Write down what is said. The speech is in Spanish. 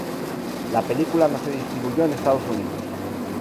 La película no se distribuyó en Estados Unidos.